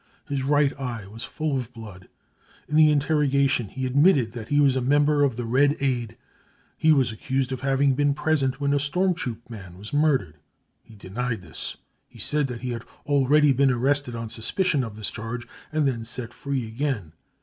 His right eye was full of blood. In the interroga tion he admitted that he was a member of the Red Aid. 214 BROWN BOOK OF THE HITLER TERROR He was accused of having been present when a storm troop man was murdered. He denied this. He said that •he had already been arrested on suspicion of this charge and then set free again.